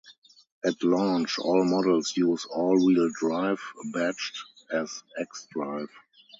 At launch, all models use all-wheel drive, badged as xDrive.